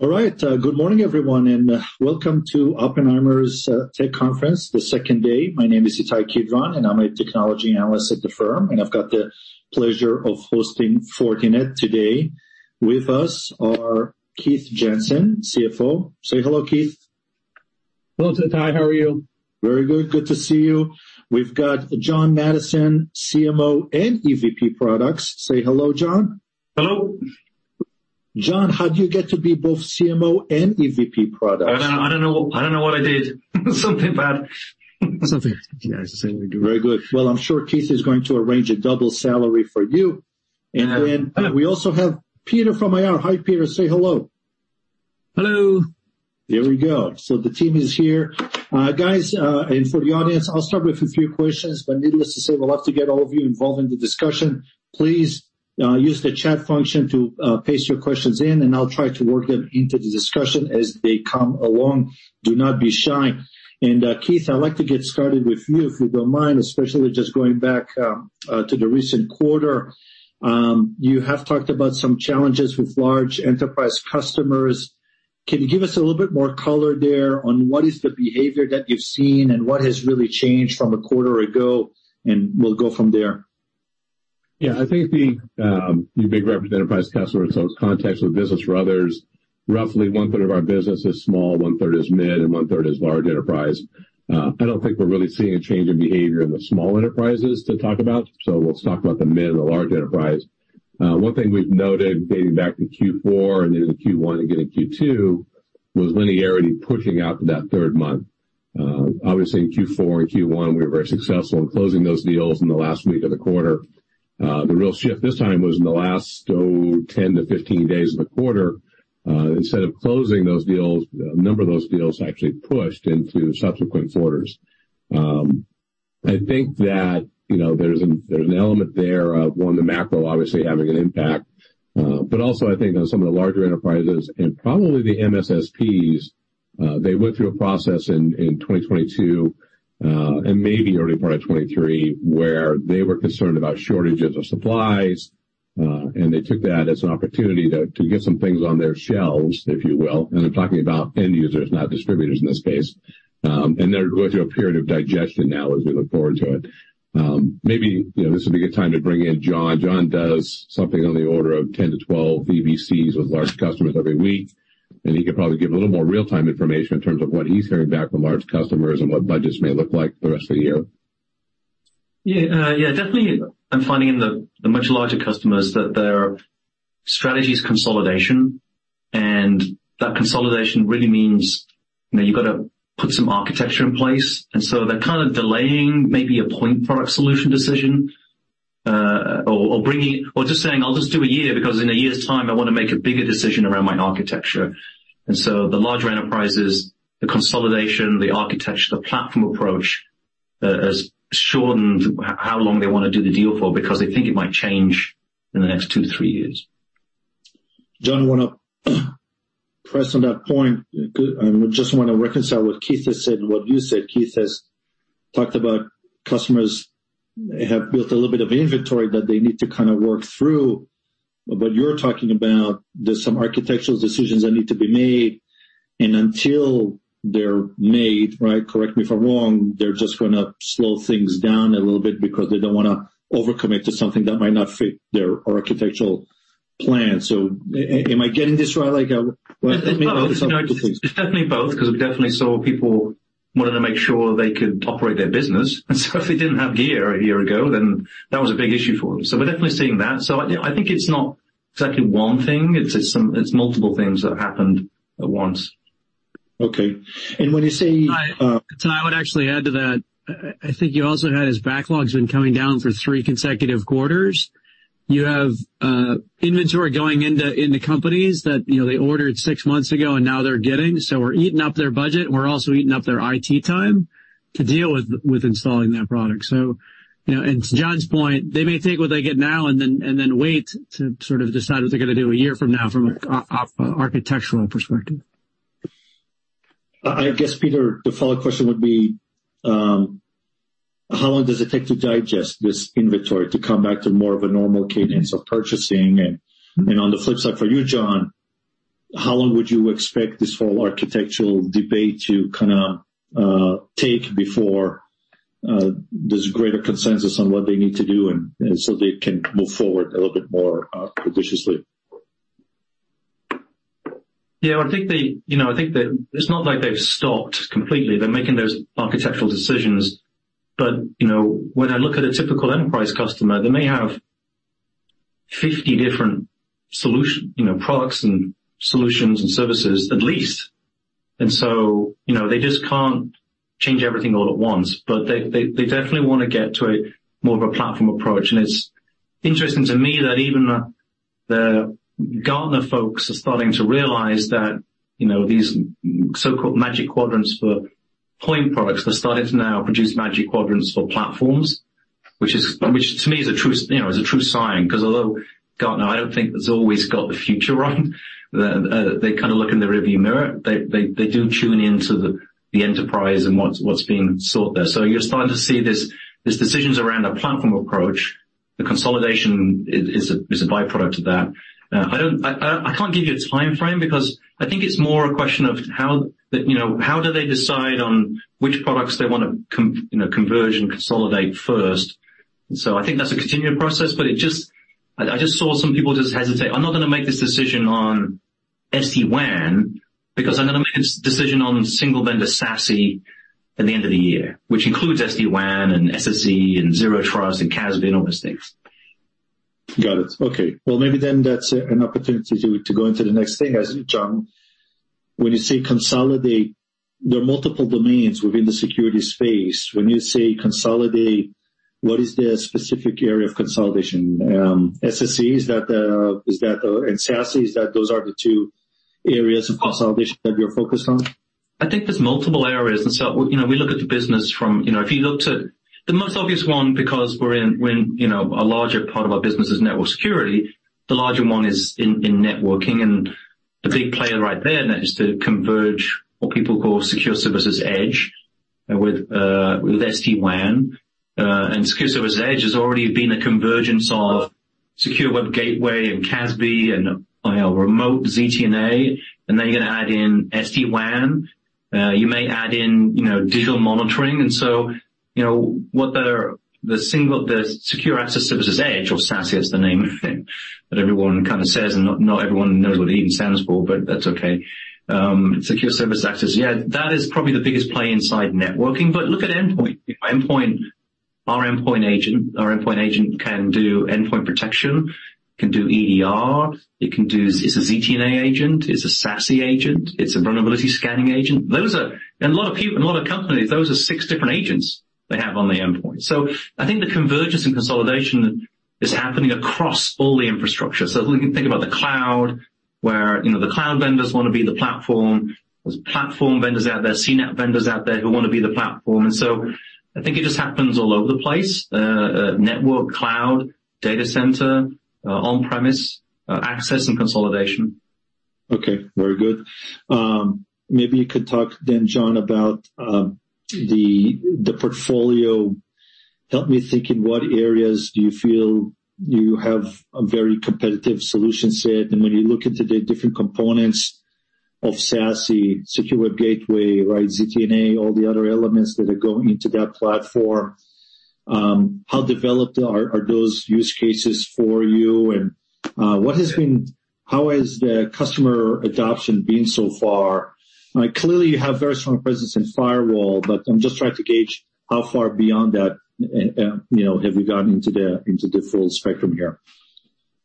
All right, good morning, everyone. Welcome to Oppenheimer's tech conference, the second day. My name is Ittai Kidron. I'm a technology analyst at the firm. I've got the pleasure of hosting Fortinet today. With us are Keith Jensen, CFO. Say hello, Keith. Hello, Ittai. How are you? Very good. Good to see you. We've got John Maddison, CMO and EVP Products. Say hello, John. Hello. John, how do you get to be both CMO and EVP Products? I don't, I don't know. I don't know what I did. Something bad or something. Yeah, very good. Well, I'm sure Keith is going to arrange a double salary for you. Yeah. We also have Peter from IR. Hi, Peter. Say hello. Hello. There we go. The team is here. Guys, and for the audience, I'll start with a few questions, but needless to say, we'll have to get all of you involved in the discussion. Please, use the chat function to paste your questions in, and I'll try to work them into the discussion as they come along. Do not be shy. Keith, I'd like to get started with you, if you don't mind, especially just going back to the recent quarter. You have talked about some challenges with large enterprise customers. Can you give us a little bit more color there on what is the behavior that you've seen and what has really changed from a quarter ago? We'll go from there. I think the, the big representative enterprise customers, so it's context with business for others. Roughly one third of our business is small, one third is mid, and one third is large enterprise. I don't think we're really seeing a change in behavior in the small enterprises to talk about, so let's talk about the mid and the large enterprise. One thing we've noted dating back to Q4 and into Q1 and again in Q2, was linearity pushing out to that third month. Obviously, in Q4 and Q1, we were very successful in closing those deals in the last week of the quarter. The real shift this time was in the last 10-15 days of the quarter. Instead of closing those deals, a number of those deals actually pushed into subsequent quarters. I think that, you know, there's an, there's an element there of, one, the macro obviously having an impact, but also I think on some of the larger enterprises and probably the MSSPs, they went through a process in, in 2022, and maybe early part of 2023, where they were concerned about shortages of supplies, and they took that as an opportunity to, to get some things on their shelves, if you will. I'm talking about end users, not distributors in this case. They're going through a period of digestion now as we look forward to it. Maybe, you know, this would be a good time to bring in John. John does something on the order of 10-12 EBCs with large customers every week, and he could probably give a little more real-time information in terms of what he's hearing back from large customers and what budgets may look like for the rest of the year. Yeah, yeah, definitely. I'm finding in the, the much larger customers that their strategy is consolidation, and that consolidation really means, you know, you've got to put some architecture in place. So they're kind of delaying maybe a point product solution decision, or just saying, "I'll just do a year, because in a year's time I want to make a bigger decision around my architecture." So the larger enterprises, the consolidation, the architecture, the platform approach, has shortened how long they want to do the deal for, because they think it might change in the next 2-3 years. John, I want to press on that point. Good. I just want to reconcile what Keith has said and what you said. Keith has talked about customers have built a little bit of inventory that they need to kind of work through, but you're talking about there's some architectural decisions that need to be made, and until they're made, right, correct me if I'm wrong, they're just gonna slow things down a little bit because they don't want to over-commit to something that might not fit their architectural plan. Am I getting this right, like? It's definitely both, because we definitely saw people wanting to make sure they could operate their business. If they didn't have gear a year ago, then that was a big issue for them. We're definitely seeing that. I, you know, I think it's not exactly one thing, it's, it's multiple things that happened at once. Okay. When you say, Itay, I would actually add to that. I think you also had his backlogs been coming down for three consecutive quarters. You have inventory going into, into companies that, you know, they ordered six months ago, and now they're getting, so we're eating up their budget, and we're also eating up their IT time to deal with, with installing that product. You know, and to John's point, they may take what they get now and then, and then wait to sort of decide what they're going to do a year from now from an architectural perspective. I, I guess, Peter, the follow-up question would be, how long does it take to digest this inventory to come back to more of a normal cadence of purchasing? On the flip side, for you, John, how long would you expect this whole architectural debate to kind of take before there's greater consensus on what they need to do and so they can move forward a little bit more judiciously? Yeah, I think they... You know, I think that it's not like they've stopped completely. They're making those architectural decisions. You know, when I look at a typical enterprise customer, they may have 50 different solution, you know, products and solutions and services, at least. You know, they just can't change everything all at once, but they, they, they definitely want to get to a more of a platform approach. It's interesting to me that even the, the Gartner folks are starting to realize that, you know, these so-called Magic Quadrants for point products are starting to now produce Magic Quadrants for platforms, which to me is a true, you know, is a true sign. Although Gartner, I don't think, has always got the future right, they kind of look in the rearview mirror, they do tune into the enterprise and what's being sought there. You're starting to see this decisions around a platform approach. The consolidation is a byproduct of that. I can't give you a timeframe because I think it's more a question of how, you know, how do they decide on which products they wanna, you know, converge and consolidate first? I think that's a continuing process, but I just saw some people just hesitate. I'm not gonna make this decision on SD-WAN, because I'm gonna make a decision on single vendor SASE at the end of the year, which includes SD-WAN and SSE and Zero Trust and CASB and all those things. Got it. Okay. Well, maybe then that's an opportunity to go into the next thing, as John, when you say consolidate, there are multiple domains within the security space. When you say consolidate, what is the specific area of consolidation? SSE, is that the, and SASE, is that those are the two areas of consolidation that you're focused on? I think there's multiple areas, and so, you know, we look at the business from, you know, if you look to the most obvious one, because we're in, when, you know, a larger part of our business is network security, the larger one is in, in networking, and the big player right there now is to converge what people call Security Service Edge with SD-WAN. Security Service Edge has already been a convergence of Secure Web Gateway and CASB and remote ZTNA, and then you're gonna add in SD-WAN. You may add in, you know, digital monitoring. So, you know, what the, the single, the Secure Access Service Edge, or SASE, is the name of it, that everyone kind of says, and not, not everyone knows what it even stands for, but that's okay. Secure services access. Yeah, that is probably the biggest play inside networking. Look at endpoint. If endpoint, our endpoint agent, our endpoint agent can do endpoint protection, can do EDR, it can do... It's a ZTNA agent, it's a SASE agent, it's a vulnerability scanning agent. Those are, in a lot of people, in a lot of companies, those are six different agents they have on the endpoint. I think the convergence and consolidation is happening across all the infrastructure. We can think about the cloud, where, you know, the cloud vendors want to be the platform. There's platform vendors out there, CNAPP vendors out there, who want to be the platform. I think it just happens all over the place, network, cloud, data center, on-premise, access and consolidation. Okay, very good. Maybe you could talk then, John, about the, the portfolio. Help me think, in what areas do you feel you have a very competitive solution set? When you look into the different components of SASE, Secure Web Gateway, right, ZTNA, all the other elements that are going into that platform, how developed are, are those use cases for you, and how has the customer adoption been so far? Clearly, you have very strong presence in firewall, but I'm just trying to gauge how far beyond that, you know, have you gotten into the, into the full spectrum here.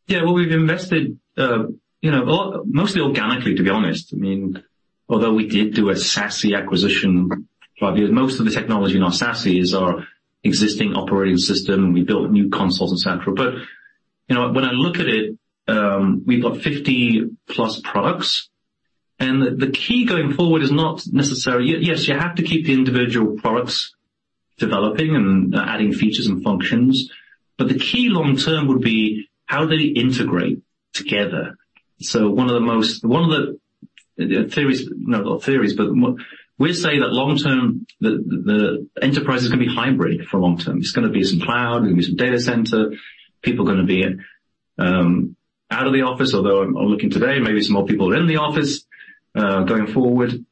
Yeah, well, we've invested, you know, all, mostly organically, to be honest. I mean, although we did do a SASE acquisition, but most of the technology in our SASE is our existing operating system, and we built new consoles, et cetera. You know, when I look at it, we've got 50 plus products, and the, the key going forward is not necessarily. Yes, you have to keep the individual products developing and adding features and functions, but the key long term would be how do they integrate together? One of the most, one of the theories, not theories, but more, we say that long term, the, the enterprise is gonna be hybrid for long term. It's gonna be some cloud, it's gonna be some data center, people are gonna be out of the office, although I'm looking today, maybe some more people in the office going forward. You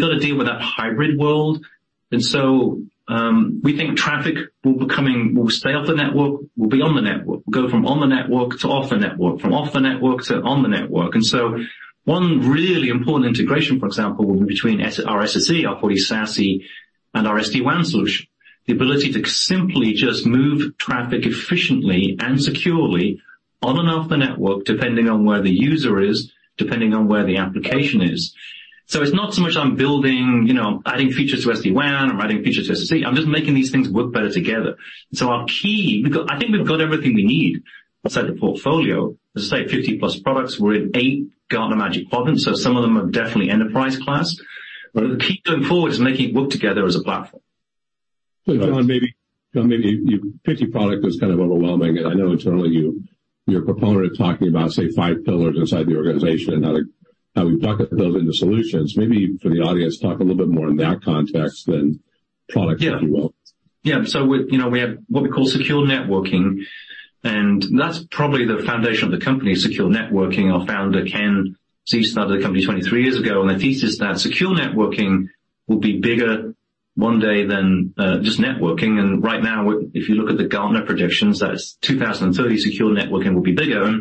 got to deal with that hybrid world. We think traffic will be coming, will stay off the network, will be on the network, go from on the network to off the network, from off the network to on the network. One really important integration, for example, will be between our SSE, our fully SASE and our SD-WAN solution. The ability to simply just move traffic efficiently and securely on and off the network, depending on where the user is, depending on where the application is. So it's not so much I'm building, you know, adding features to SD-WAN, I'm adding features to SSE. I'm just making these things work better together. Our key, because I think we've got everything we need inside the portfolio. Let's say 50+ products, we're in 8 Gartner Magic Quadrants, so some of them are definitely enterprise class. The key going forward is making it work together as a platform. John, maybe, John, maybe you... 50 product is kind of overwhelming, and I know internally, you, you're a proponent of talking about, say, five pillars inside the organization and how to, how we bucket those into solutions. Maybe for the audience, talk a little bit more in that context than product, if you will. Yeah. We, you know, we have what we call Secure Networking, and that's probably the foundation of the company, Secure Networking. Our founder, Ken, started the company 23 years ago, and the thesis that Secure Networking will be bigger one day than just networking. Right now, if you look at the Gartner projections, that's 2030, Secure Networking will be bigger.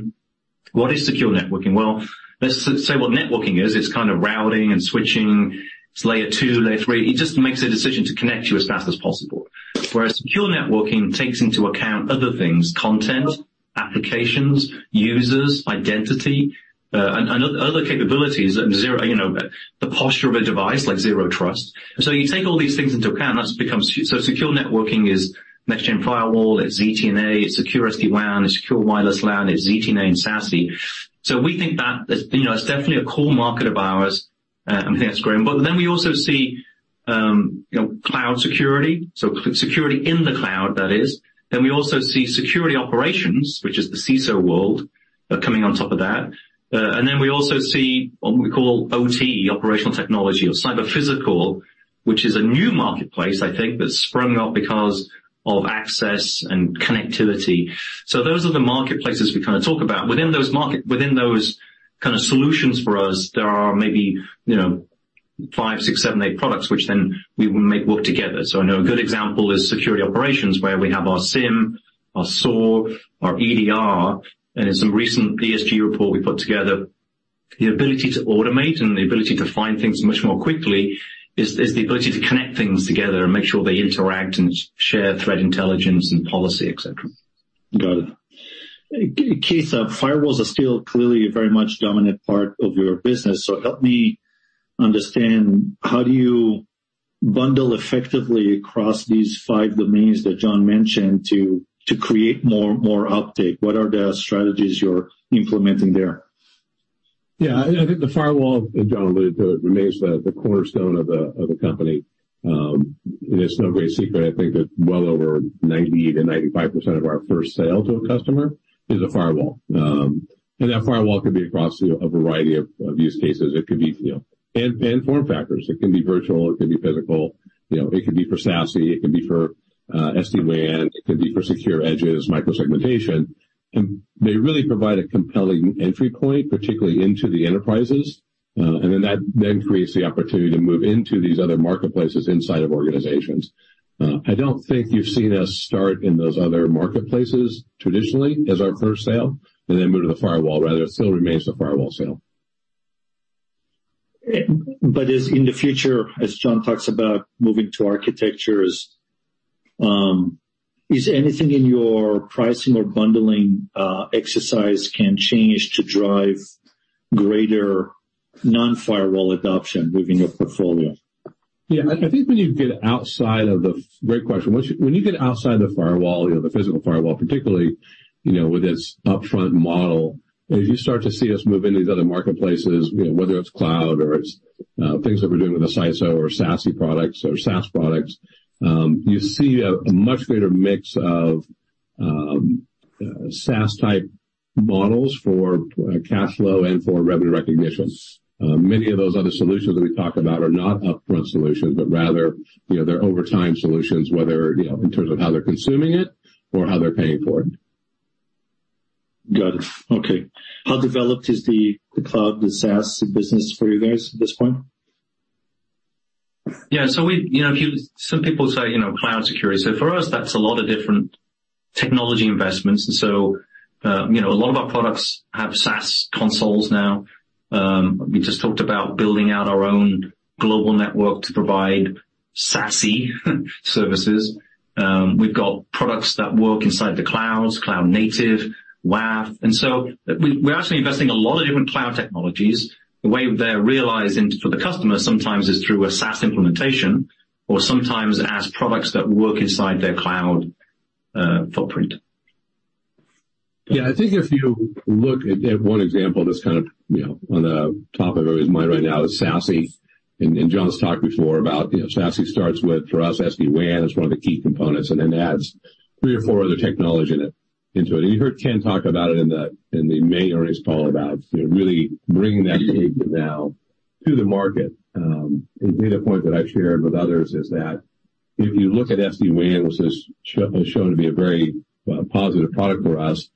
What is Secure Networking? Well, let's say what networking is. It's kind of routing and switching. It's layer 2, layer 3. It just makes a decision to connect you as fast as possible. Whereas Secure Networking takes into account other things, content, applications, users, identity, and other capabilities, and zero, you know, the posture of a device, like Zero Trust. You take all these things into account, that's becomes... Secure networking is Next-Gen Firewall, it's ZTNA, it's secure SD-WAN, it's Secure Wireless LAN, it's ZTNA and SASE. We think that, you know, it's definitely a core market of ours, and I think that's growing. Then we also see, you know, cloud security, so security in the cloud, that is. We also see security operations, which is the CISO world. Coming on top of that, and then we also see what we call OT, operational technology or cyber-physical, which is a new marketplace, I think, that's sprung up because of access and connectivity. Those are the marketplaces we kind of talk about. Within those within those kind of solutions for us, there are maybe, you know, five, six, seven, eight products, which then we will make work together. I know a good example is security operations, where we have our SIEM, our SOAR, our EDR, and in some recent ESG report we put together, the ability to automate and the ability to find things much more quickly is the ability to connect things together and make sure they interact and share threat, intelligence, and policy, et cetera. Got it. Keith, firewalls are still clearly a very much dominant part of your business, so help me understand, how do you bundle effectively across these five domains that John mentioned to, to create more, more uptake? What are the strategies you're implementing there? Yeah, I think the firewall, as John alluded to, remains the cornerstone of the company. It's no great secret, I think, that well over 90%-95% of our first sale to a customer is a firewall. That firewall could be across a variety of use cases. It could be, you know, form factors. It can be virtual, it can be physical, you know, it could be for SASE, it could be for SD-WAN, it could be for secure edges, micro-segmentation. They really provide a compelling entry point, particularly into the enterprises, and then that then creates the opportunity to move into these other marketplaces inside of organizations. I don't think you've seen us start in those other marketplaces traditionally as our first sale, and then move to the firewall. Rather, it still remains the firewall sale. As in the future, as John talks about moving to architectures, is anything in your pricing or bundling exercise can change to drive greater non-firewall adoption within your portfolio? Yeah, I think when you get outside of the. Great question. When you get outside the firewall, you know, the physical firewall, particularly, you know, with its upfront model, as you start to see us move into these other marketplaces, you know, whether it's cloud or it's things that we're doing with the CISO or SASE products or SaaS products, you see a much greater mix of SaaS-type models for cash flow and for revenue recognitions. Many of those other solutions that we talk about are not upfront solutions, but rather, you know, they're over time solutions, whether, you know, in terms of how they're consuming it or how they're paying for it. Got it. Okay. How developed is the, the cloud, the SaaS business for you guys at this point? Yeah, so we... You know, if you some people say, you know, cloud security. For us, that's a lot of different technology investments. You know, a lot of our products have SaaS consoles now. We just talked about building out our own global network to provide SASE services. We've got products that work inside the clouds, cloud native, WAF. We're actually investing in a lot of different cloud technologies. The way they're realizing for the customer sometimes is through a SaaS implementation or sometimes as products that work inside their cloud footprint. Yeah, I think if you look at, at one example, just kind of, you know, on the top of everybody's mind right now is SASE. John's talked before about, you know, SASE starts with, for us, SD-WAN is one of the key components and then adds three or four other technology in it, into it. You heard Ken talk about it in the, in the May earnings call about, you know, really bringing that now to the market. A data point that I've shared with others is that if you look at SD-WAN, which has shown to be a very positive product for us,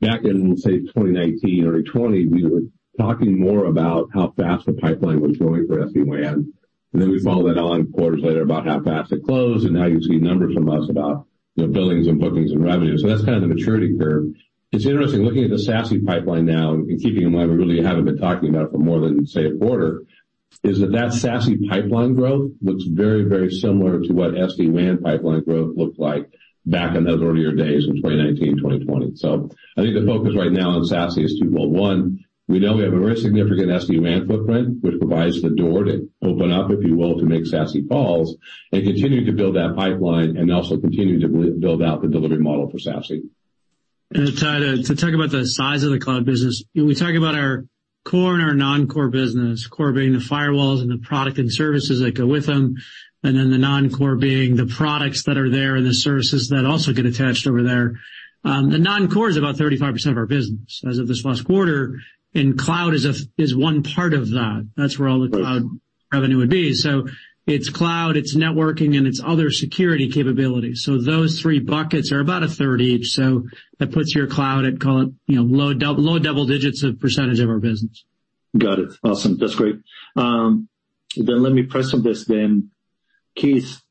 back in, say, 2019 or in 2020, we were talking more about how fast the pipeline was growing for SD-WAN. Then we followed that on quarters later about how fast it closed, and now you've seen numbers from us about the billings and bookings and revenues. That's kind of the maturity curve. It's interesting, looking at the SASE pipeline now and keeping in mind, we really haven't been talking about it for more than, say, a quarter, is that, that SASE pipeline growth looks very, very similar to what SD-WAN pipeline growth looked like back in those earlier days in 2019, 2020. I think the focus right now on SASE is 2, well, 1, we know we have a very significant SD-WAN footprint, which provides the door to open up, if you will, to make SASE calls and continue to build out the delivery model for SASE. To, to talk about the size of the cloud business, when we talk about our core and our non-core business, core being the firewalls and the product and services that go with them, and then the non-core being the products that are there and the services that also get attached over there. The non-core is about 35% of our business as of this last quarter, and cloud is a, is one part of that. That's where all the cloud- Right. -revenue would be. It's cloud, it's networking, and it's other security capabilities. Those three buckets are about a third each, so that puts your cloud at, call it, you know, low double digits of % of our business. Got it. Awesome. That's great. Let me press on this then. Keith,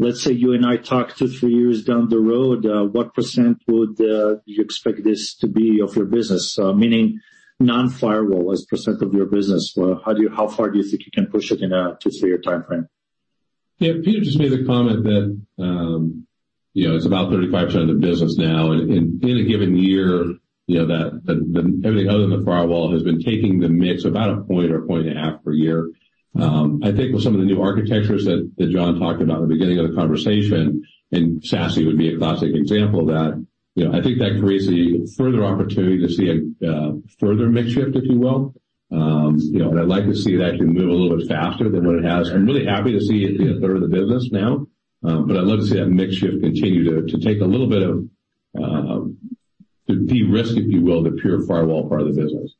let's say you and I talk two, three years down the road, what % would you expect this to be of your business? Meaning non-firewall as a % of your business. Well, how do you... How far do you think you can push it in a two, three-year timeframe? Yeah, Peter just made the comment that, you know, it's about 35% of the business now. In, in a given year, you know, that, that everything other than the firewall has been taking the mix about 1 point or 1.5 points per year. I think with some of the new architectures that, that John talked about at the beginning of the conversation, and SASE would be a classic example of that, you know, I think that creates a further opportunity to see a further mix shift, if you will. You know, and I'd like to see that can move a little bit faster than what it has. I'm really happy to see it be a third of the business now. I'd love to see that mix shift continue to, to take a little bit of, to de-risk, if you will, the pure firewall part of the business.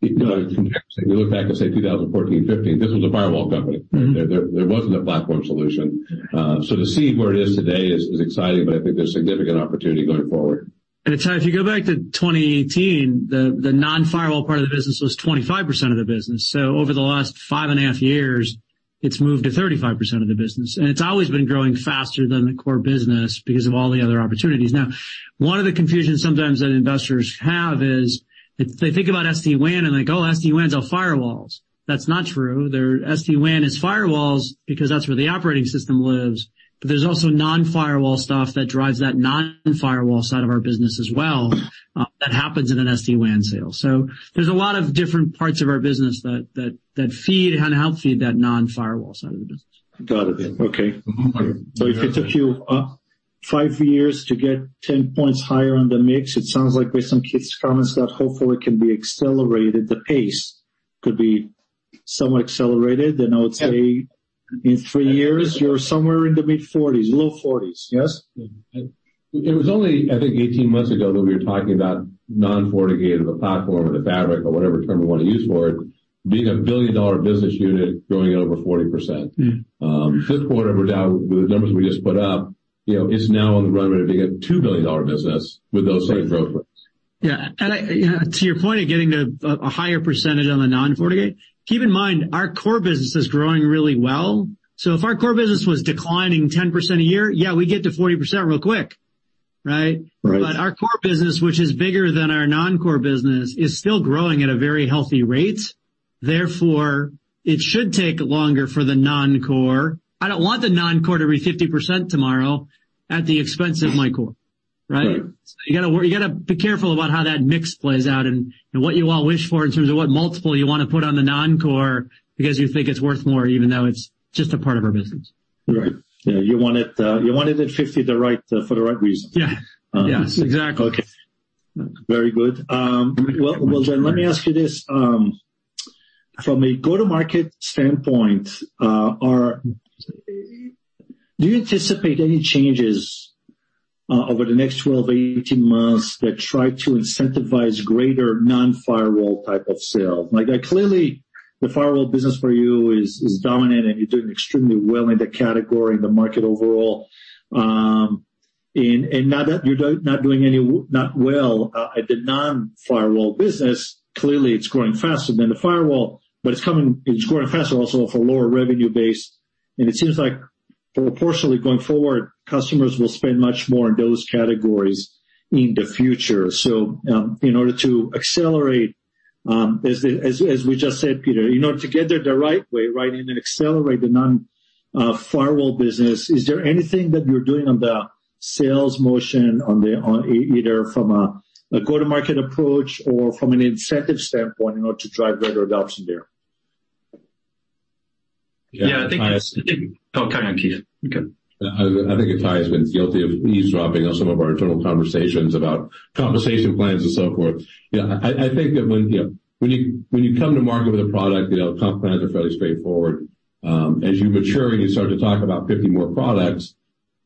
If you look back and say 2014, 2015, this was a firewall company. Mm-hmm. There, there wasn't a platform solution. To see where it is today is, is exciting, but I think there's significant opportunity going forward. If you go back to 2018, the, the non-firewall part of the business was 25% of the business. Over the last 5.5 years, it's moved to 35% of the business, and it's always been growing faster than the core business because of all the other opportunities. Now, one of the confusions sometimes that investors have is if they think about SD-WAN, and they go, "SD-WAN is all firewalls." That's not true. Their SD-WAN is firewalls because that's where the operating system lives, but there's also non-firewall stuff that drives that non-firewall side of our business as well, that happens in an SD-WAN sale. There's a lot of different parts of our business that, that, that feed and help feed that non-firewall side of the business. Got it. Okay. Mm-hmm. If it took you, 5 years to get 10 points higher on the mix, it sounds like based on Keith's comments, that hopefully can be accelerated, the pace could be somewhat accelerated, then I would say in 3 years, you're somewhere in the mid-forties, low forties. Yes? It was only, I think, 18 months ago that we were talking about non-FortiGate or the platform or the fabric or whatever term you want to use for it, being a billion-dollar business unit growing at over 40%. Mm. 5th quarter, we're now, with the numbers we just put up, you know, it's now on the runway to being a $2 billion business with those same growth rates. Yeah. I, to your point of getting to a, a higher percentage on the non-FortiGate, keep in mind, our core business is growing really well. If our core business was declining 10% a year, yeah, we'd get to 40% real quick, right? Right. Our core business, which is bigger than our non-core business, is still growing at a very healthy rate. Therefore, it should take longer for the non-core. I don't want the non-core to be 50% tomorrow at the expense of my core, right? Right. You gotta be careful about how that mix plays out and what you all wish for in terms of what multiple you wanna put on the non-core because you think it's worth more, even though it's just a part of our business. Right. Yeah, you want it, you want it at 50, the right, for the right reason. Yeah. Yes, exactly. Okay. Very good. Well, well, then let me ask you this: from a go-to-market standpoint, Do you anticipate any changes over the next 12 to 18 months that try to incentivize greater non-firewall type of sales? Like, clearly, the firewall business for you is dominant, and you're doing extremely well in that category, in the market overall. Not that you're not doing any, not well, at the non-firewall business. Clearly, it's growing faster than the firewall, but it's coming, it's growing faster also off a lower revenue base, and it seems like proportionally going forward, customers will spend much more in those categories in the future. In order to accelerate, as we just said, Peter, in order to get it the right way, and then accelerate the non, firewall business, is there anything that you're doing on the sales motion, on either from a go-to-market approach or from an incentive standpoint in order to drive greater adoption there? Yeah, I think- Oh, carry on, Keith. Okay. I, I think Ittai has been guilty of eavesdropping on some of our internal conversations about compensation plans and so forth. You know, I, I think that when, you know, when you, when you come to market with a product, you know, comp plans are fairly straightforward. As you mature and you start to talk about 50 more products,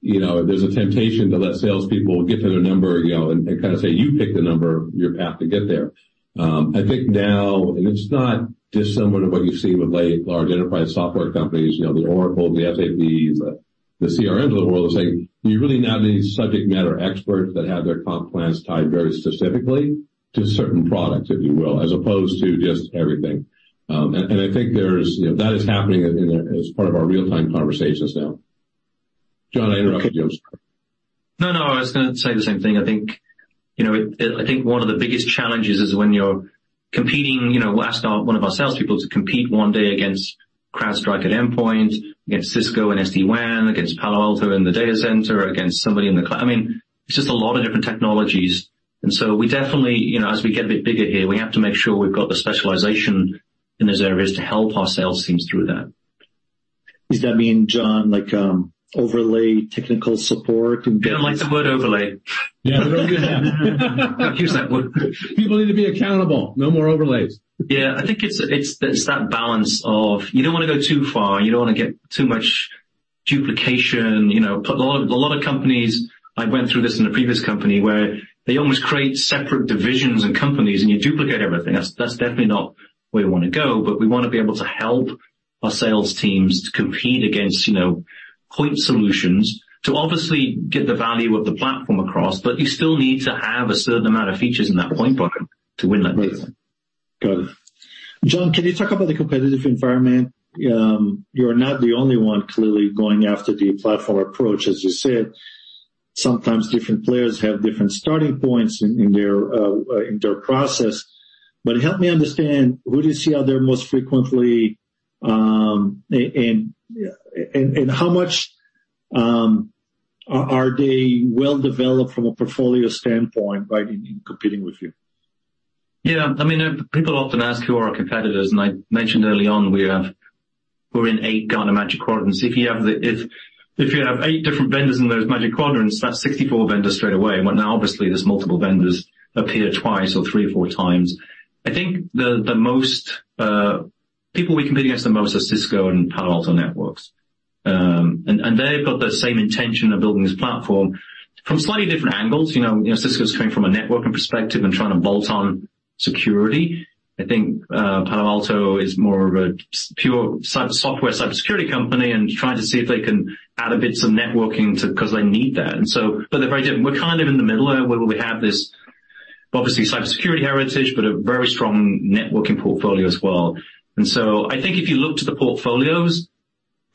you know, there's a temptation to let salespeople get to their number, you know, and, and kind of say, "You pick the number, your path to get there." I think now, and it's not dissimilar to what you've seen with large enterprise software companies, you know, the Oracles, the SAPs, the Salesforce of the world are saying, you really now need subject matter experts that have their comp plans tied very specifically to certain products, if you will, as opposed to just everything. I think there's, you know, that is happening in the... As part of our real-time conversations now. John, I interrupted you. No, no, I was gonna say the same thing. I think, you know, I think one of the biggest challenges is when you're competing, you know, we'll ask our, one of our salespeople to compete one day against CrowdStrike at Endpoint, against Cisco and SD-WAN, against Palo Alto in the data center, against somebody in the cloud. I mean, it's just a lot of different technologies, and so we definitely, you know, as we get a bit bigger here, we have to make sure we've got the specialization in those areas to help our sales teams through that. Does that mean, John, like, overlay technical support? I don't like the word overlay. Don't use that word. People need to be accountable. No more overlays. Yeah, I think it's, it's that balance of you don't want to go too far, you don't want to get too much duplication. You know, a lot of, a lot of companies, I went through this in a previous company where they almost create separate divisions and companies, and you duplicate everything. That's, that's definitely not where you want to go, but we want to be able to help our sales teams to compete against, you know, point solutions to obviously get the value of the platform across, but you still need to have a certain amount of features in that point product to win that business. Got it. John, can you talk about the competitive environment? You're not the only one clearly going after the platform approach. As you said, sometimes different players have different starting points in their process. Help me understand, who do you see out there most frequently, and how much are they well developed from a portfolio standpoint, right, in competing with you? Yeah. I mean, people often ask who are our competitors, and I mentioned early on, we're in 8 Gartner Magic Quadrants. If you have the, if you have 8 different vendors in those Magic Quadrants, that's 64 vendors straight away. Well, now, obviously, there's multiple vendors appear twice or three or four times. I think the most people we compete against the most are Cisco and Palo Alto Networks. They've got the same intention of building this platform from slightly different angles. You know, Cisco's coming from a networking perspective and trying to bolt on security. I think Palo Alto is more of a pure cyber software, cybersecurity company, and trying to see if they can add a bits of networking to, 'cause they need that. They're very different. We're kind of in the middle of where we have this, obviously, cybersecurity heritage, but a very strong networking portfolio as well. I,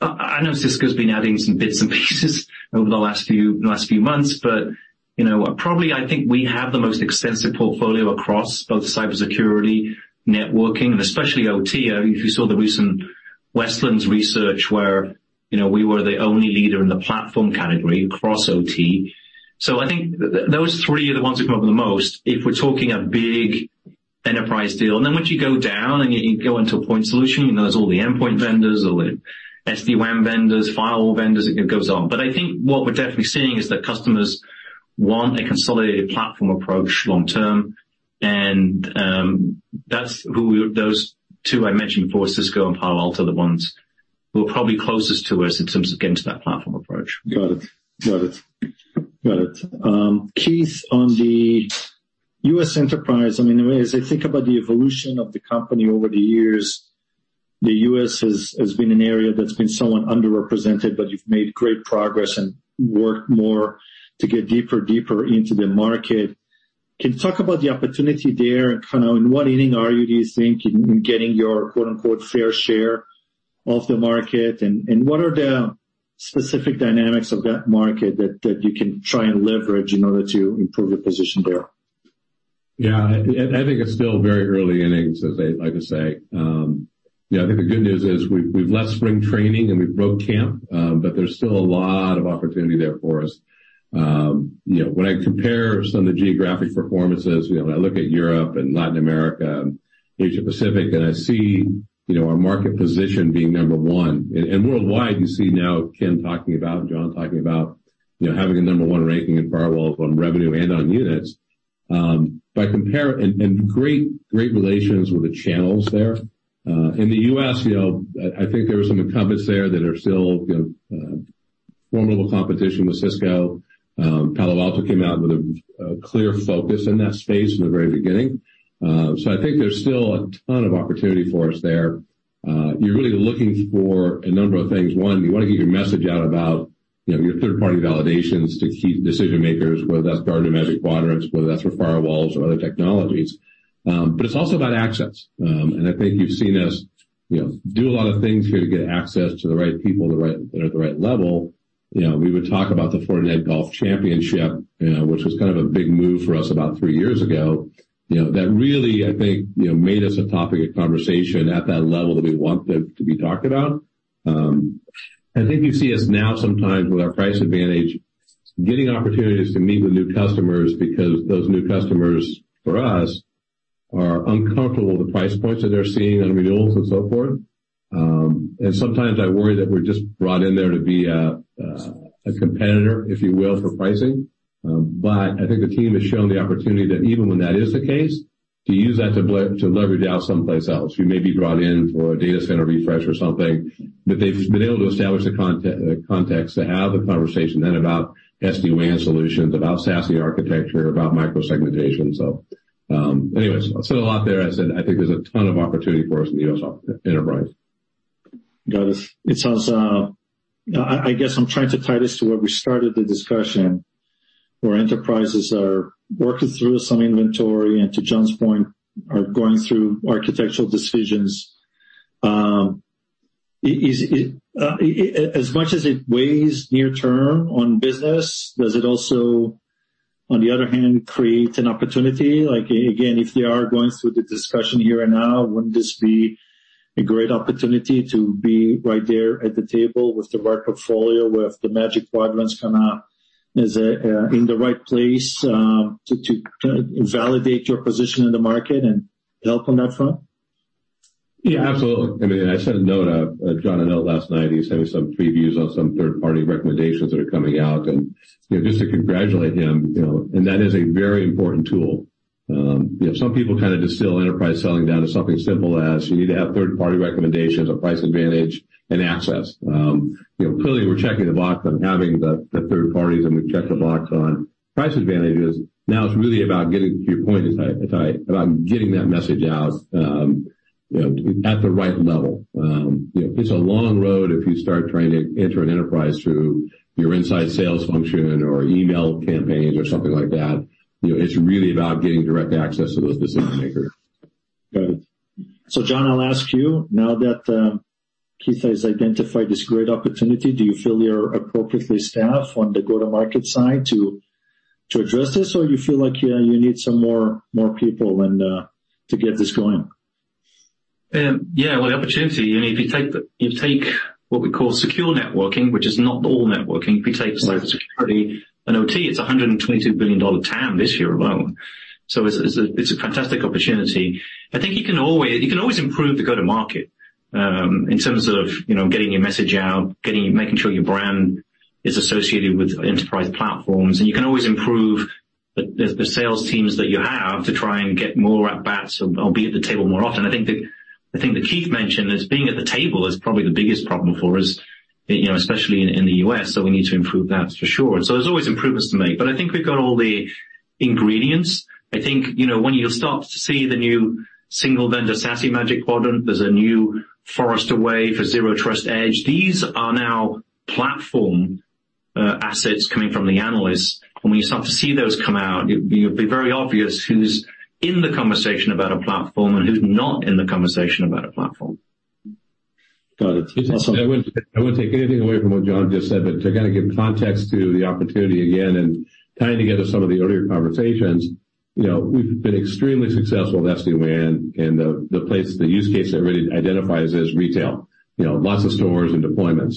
I know Cisco's been adding some bits and pieces over the last few, last few months, but, you know, probably I think we have the most extensive portfolio across both cybersecurity, networking, and especially OT. If you saw the recent Westlands Advisory research where, you know, we were the only leader in the platform category across OT. I think those three are the ones who come up with the most, if we're talking a big enterprise deal. Once you go down, and you, you go into a point solution, you know, there's all the endpoint vendors, all the SD-WAN vendors, firewall vendors, it goes on. I think what we're definitely seeing is that customers want a consolidated platform approach long term, and that's who we-- those two I mentioned before, Cisco and Palo Alto, are the ones who are probably closest to us in terms of getting to that platform approach. Got it. Got it. Got it. Keith, on the US enterprise, I mean, as I think about the evolution of the company over the years, the US has, has been an area that's been somewhat underrepresented, but you've made great progress and worked more to get deeper, deeper into the market. Can you talk about the opportunity there, and kind of in what inning are you, do you think, in, in getting your, quote, unquote, "fair share of the market?" And what are the specific dynamics of that market that, that you can try and leverage in order to improve your position there? Yeah, I, I think it's still very early innings, as I like to say. You know, I think the good news is we've, we've left spring training, and we've broke camp, but there's still a lot of opportunity there for us. You know, when I compare some of the geographic performances, you know, when I look at Europe and Latin America and Asia Pacific, and I see, you know, our market position being number one. Worldwide, you see now Ken talking about and John Maddison talking about, you know, having a number one ranking in firewall from revenue and on units. Great, great relations with the channels there. In the US, you know, I, I think there are some incumbents there that are still, you know, formidable competition with Cisco. Palo Alto Networks came out with a, a clear focus in that space in the very beginning. I think there's still a ton of opportunity for us there. You're really looking for a number of things. One, you want to get your message out about, you know, your third-party validations to key decision makers, whether that's Gartner Magic Quadrants, whether that's for firewalls or other technologies. It's also about access. I think you've seen us, you know, do a lot of things here to get access to the right people, the right, at the right level. You know, we would talk about the Fortinet Championship, which was kind of a big move for us about three years ago. You know, that really, I think, you know, made us a topic of conversation at that level that we want to, to be talked about. I think you see us now sometimes with our price advantage, getting opportunities to meet with new customers, because those new customers, for us, are uncomfortable with the price points that they're seeing on renewals and so forth. Sometimes I worry that we're just brought in there to be a competitor, if you will, for pricing. I think the team has shown the opportunity that even when that is the case, to use that to leverage out someplace else. You may be brought in for a data center refresh or something, but they've been able to establish the context to have the conversation then about SD-WAN solutions, about SASE architecture, about micro-segmentation. Anyways, I've said a lot there. I said, I think there's a ton of opportunity for us in the enterprise. Got it. It sounds... I, I guess I'm trying to tie this to where we started the discussion, where enterprises are working through some inventory, and to John's point, are going through architectural decisions. Is, is as much as it weighs near term on business, does it also, on the other hand, create an opportunity? Like, again, if they are going through the discussion here and now, wouldn't this be a great opportunity to be right there at the table with the right portfolio, with the Magic Quadrants kind of in the right place, to, to validate your position in the market and help on that front? Yeah, absolutely. I mean, I sent a note out, a John a note last night. He sent me some previews on some third-party recommendations that are coming out and, you know, just to congratulate him, you know, and that is a very important tool. You know, some people kind of distill enterprise selling down to something as simple as, you need to have third-party recommendations, a price advantage, and access. You know, clearly, we're checking the box on having the, the third parties, and we've checked the box on price advantages. Now it's really about getting to your point, Ittai, about getting that message out, you know, at the right level. You know, it's a long road if you start trying to enter an enterprise through your inside sales function or email campaigns or something like that. You know, it's really about getting direct access to those decision makers. Got it. John, I'll ask you, now that Keith has identified this great opportunity, do you feel you're appropriately staffed on the go-to-market side to, to address this, or you feel like you need some more, more people and to get this going? Yeah, well, the opportunity, you know, if you take the, you take what we call Secure Networking, which is not all networking, if you take cybersecurity and OT, it's a $122 billion TAM this year alone. It's, it's a, it's a fantastic opportunity. I think you can always, you can always improve the go to market, in terms of, you know, making sure your brand is associated with enterprise platforms, and you can always improve. There's the sales teams that you have to try and get more at bats or be at the table more often. I think that, I think that Keith mentioned is being at the table is probably the biggest problem for us, you know, especially in, in the US. We need to improve that for sure. There's always improvements to make, but I think we've got all the ingredients. I think, you know, when you'll start to see the new Magic Quadrant for Single-Vendor SASE, there's a new Forrester Wave for Zero Trust Edge. These are now platform assets coming from the analysts. When we start to see those come out, it'd be very obvious who's in the conversation about a platform and who's not in the conversation about a platform. Got it. I wouldn't, I wouldn't take anything away from what John just said, but to kind of give context to the opportunity again and tying together some of the earlier conversations, you know, we've been extremely successful with SD-WAN and the, the place, the use case that really identifies as retail, you know, lots of stores and deployments.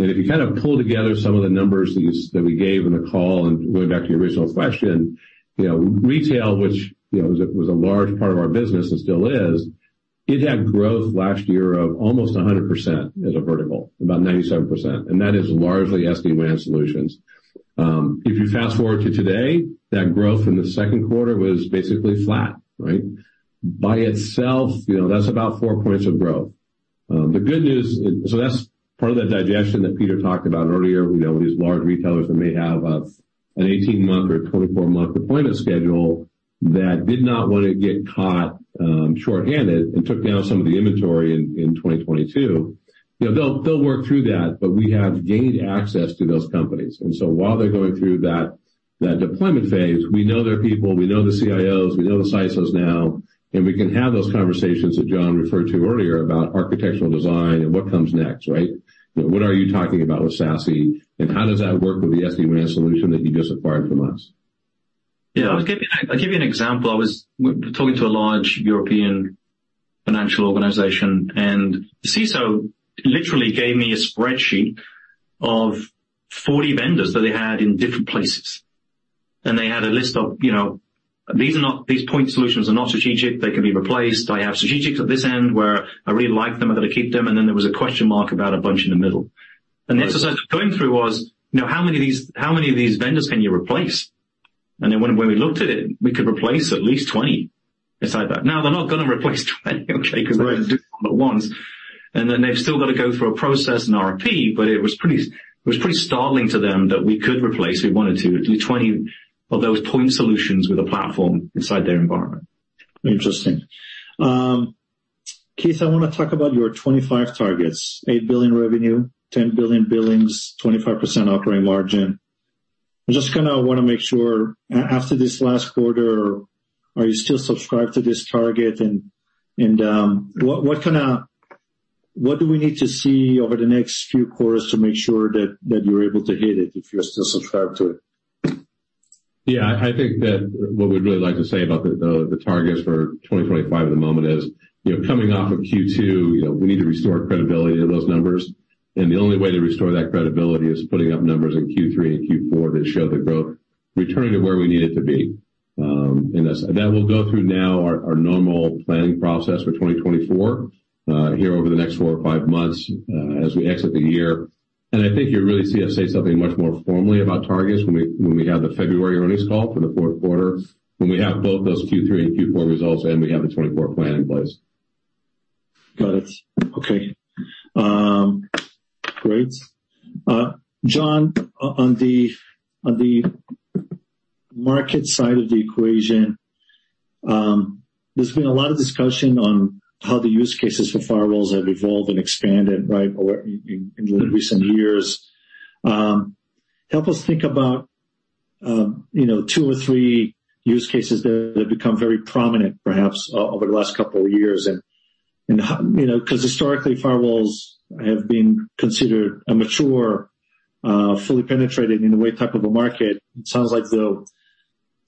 If you kind of pull together some of the numbers that we gave in the call, and going back to your original question, you know, retail, which, you know, was a, was a large part of our business and still is, it had growth last year of almost 100% as a vertical, about 97%, and that is largely SD-WAN solutions. If you fast-forward to today, that growth in the second quarter was basically flat, right? By itself, you know, that's about 4 points of growth. The good news, so that's part of that digestion that Peter talked about earlier, you know, these large retailers that may have an 18-month or 24-month appointment schedule that did not want to get caught shorthanded and took down some of the inventory in 2022. You know, they'll, they'll work through that, but we have gained access to those companies. While they're going through that, that deployment phase, we know their people, we know the CIOs, we know the CISOs now, and we can have those conversations that John referred to earlier about architectural design and what comes next, right? What are you talking about with SASE, and how does that work with the SD-WAN solution that you just acquired from us? Yeah. I'll give you, I'll give you an example. I was talking to a large European financial organization. The CISO literally gave me a spreadsheet of 40 vendors that they had in different places. They had a list of, you know, these point solutions are not strategic. They can be replaced. I have strategics at this end where I really like them, I've got to keep them. Then there was a question mark about a bunch in the middle. The exercise we're going through was, you know, how many of these, how many of these vendors can you replace? Then when, when we looked at it, we could replace at least 20 inside that. Now, they're not gonna replace 20, okay, because they do it once, and then they've still got to go through a process and RFP, but it was pretty, it was pretty startling to them that we could replace, we wanted to, do 20 of those point solutions with a platform inside their environment. Interesting. Keith, I want to talk about your 25 targets, $8 billion revenue, $10 billion billings, 25% operating margin. I just kind of want to make sure, after this last quarter, are you still subscribed to this target? what kind of what do we need to see over the next few quarters to make sure that, that you're able to hit it if you're still subscribed to it? Yeah, I think that what we'd really like to say about the, the, the targets for 2025 at the moment is, you know, coming off of Q2, you know, we need to restore credibility to those numbers, and the only way to restore that credibility is putting up numbers in Q3 and Q4 that show the growth returning to where we need it to be. That's... That will go through now our, our normal planning process for 2024 here over the next four or five months as we exit the year. I think you'll really see us say something much more formally about targets when we, when we have the February earnings call for the fourth quarter, when we have both those Q3 and Q4 results, and we have the 2024 plan in place. Got it. Okay. Great. John, on the market side of the equation, there's been a lot of discussion on how the use cases for firewalls have evolved and expanded, right, over recent years. Help us think about, you know, two or three use cases that have become very prominent perhaps over the last couple of years. You know, because historically, firewalls have been considered a mature, fully penetrated in a way, type of a market. It sounds like the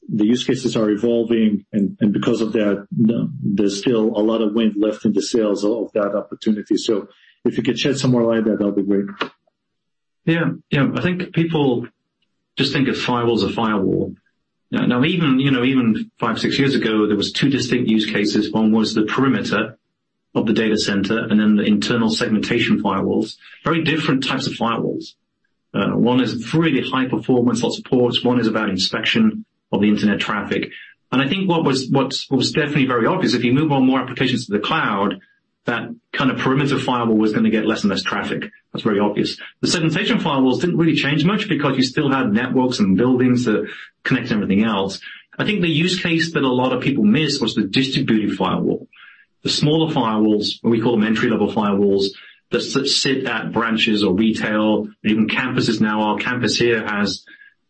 use cases are evolving, and because of that, there's still a lot of wind left in the sails of that opportunity. If you could shed some more light there, that'd be great. Yeah. Yeah. I think people just think of firewall as a firewall. Now, even, you know, even five, six years ago, there was two distinct use cases. One was the perimeter of the data center, and then the internal segmentation firewalls. Very different types of firewalls. One is really high performance, lot of ports, one is about inspection of the internet traffic. I think what was, what was definitely very obvious, if you move more and more applications to the cloud, that kind of perimeter firewall was gonna get less and less traffic. That's very obvious. The segmentation firewalls didn't really change much because you still had networks and buildings that connect everything else. I think the use case that a lot of people missed was the distributed firewall. The smaller firewalls, we call them entry-level firewalls, that sit at branches or retail, even campuses now. Our campus here has,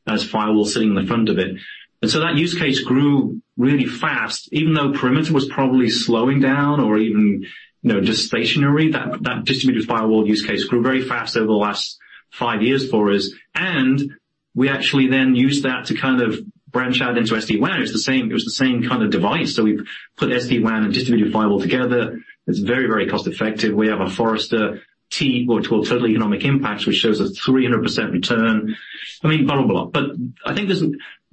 has firewall sitting in the front of it. That use case grew really fast. Even though perimeter was probably slowing down or even, you know, just stationary, that, that distributed firewall use case grew very fast over the last 5 years for us, and we actually then used that to kind of branch out into SD-WAN. It was the same kind of device. We've put SD-WAN and distributed firewall together. It's very, very cost effective. We have a Forrester TEI, which, well, Total Economic Impact, which shows a 300% return. I mean, blah, blah, blah. I think there's...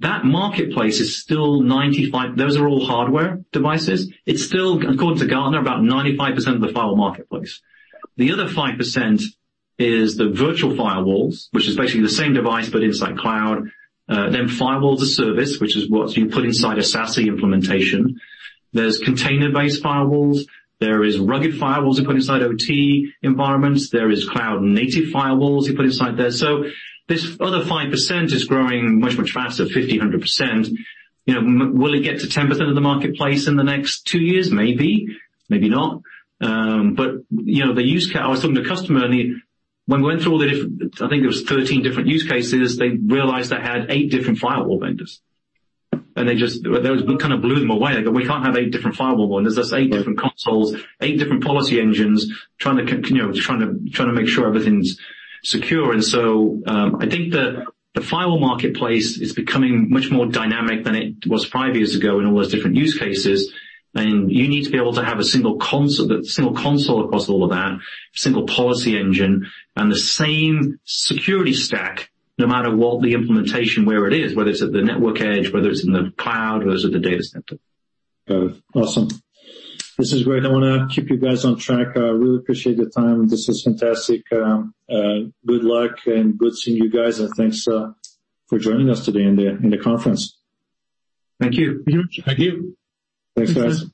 That marketplace is still 95-- Those are all hardware devices. It's still, according to Gartner, about 95% of the firewall marketplace. The other 5% is the virtual firewalls, which is basically the same device, but inside cloud. Firewall-as-a-Service, which is what you put inside a SASE implementation. There's container-based firewalls. There is rugged firewalls you put inside OT environments. There is cloud-native firewalls you put inside there. This other 5% is growing much, much faster, 50%, 100%. You know, will it get to 10% of the marketplace in the next 2 years? Maybe, maybe not. You know, the use cases, I was talking to a customer, and he when we went through all the different, I think it was 13 different use cases, they realized they had 8 different firewall vendors. They just That kind of blew them away. They go, "We can't have 8 different firewall vendors. There's eight different consoles, eight different policy engines, trying to you know, trying to make sure everything's secure. I think the firewall marketplace is becoming much more dynamic than it was five years ago in all those different use cases. You need to be able to have a single console across all of that, single policy engine, and the same security stack, no matter what the implementation, where it is, whether it's at the network edge, whether it's in the cloud or is it the data center. Got it. Awesome. This is great. I want to keep you guys on track. I really appreciate the time. This is fantastic. Good luck, and good seeing you guys, and thanks for joining us today in the, in the conference. Thank you. Thank you. Thanks, guys.